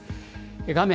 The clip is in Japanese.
画面